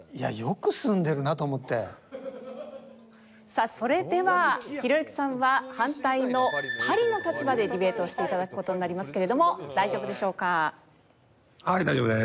さあそれではひろゆきさんは反対のパリの立場でディベートをして頂く事になりますけれども大丈夫でしょうか？